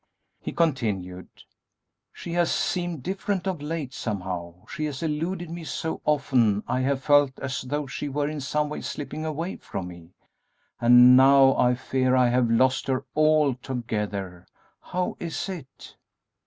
He continued: "She has seemed different of late, somehow; she has eluded me so often I have felt as though she were in some way slipping away from me, and now I fear I have lost her altogether. How is it?"